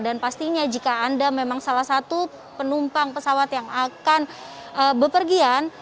dan pastinya jika anda memang salah satu penumpang pesawat yang akan berpergian